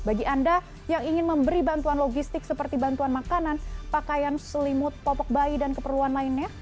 bagi anda yang ingin memberi bantuan logistik seperti bantuan makanan pakaian selimut popok bayi dan keperluan lainnya